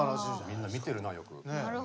みんな見てるなよく。